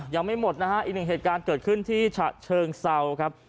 ยังไม่หมดนะฮะอีกหนึ่งเหตุการณ์เกิดขึ้นที่ฉะเชิงเซาครับ